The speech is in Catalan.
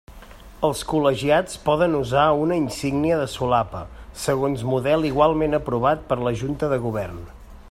Els col·legiats poden usar una insígnia de solapa, segons model igualment aprovat per la Junta de Govern.